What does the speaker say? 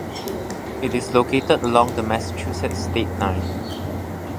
It is located along the Massachusetts state line.